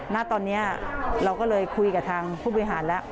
ณตอนนี้เราก็เลยคุยกับทางผู้บริหารแล้ว